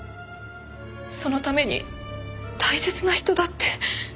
そのために大切な人だって。